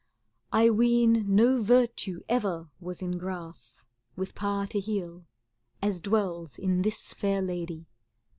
1 ween no virtue ever was in grass With power to heal, as dwells in this fair lady.